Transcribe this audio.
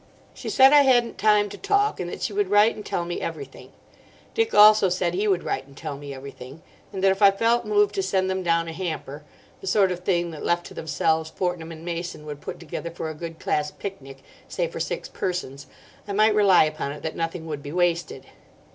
She said I hadn't time to talk, and that she would write and tell me everything. Dick also said he would write and tell me everything; and that if I felt moved to send them down a hamper—the sort of thing that, left to themselves, Fortnum & Mason would put together for a good class picnic, say, for six persons—I might rely upon it that nothing would be wasted.